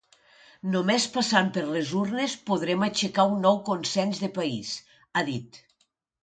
“Només passant per les urnes podrem aixecar un nou consens de país”, ha dit.